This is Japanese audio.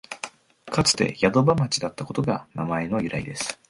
かつて宿場町だったことが名前の由来です